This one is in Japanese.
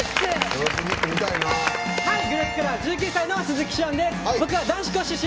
グレープカラー１９歳の鈴木志音です。